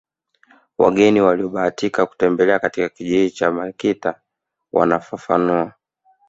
Wageni waliobahatika kutembelea katika kijiji cha Makita wanafafanua